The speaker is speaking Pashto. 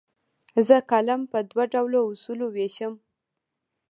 زه کالم په دوه ډوله اصولو ویشم.